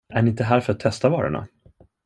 Är ni inte här för att testa varorna?